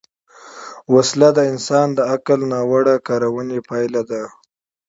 وسله د انسان د عقل ناوړه کارونې پایله ده